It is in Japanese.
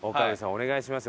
お願いしますよ。